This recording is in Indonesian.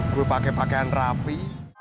gue pake pakaian rapi